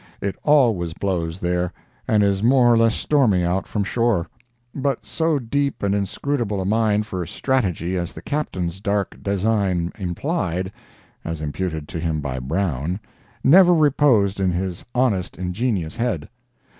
It always blows there, and is more or less stormy out from shore. But so deep and inscrutable a mind for strategy as the Captain's dark design implied—as imputed to him by Brown—never reposed in his honest, ingenuous head.